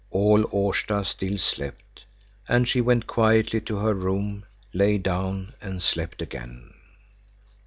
All Årsta still slept, and she went quietly to her room, lay down and slept again.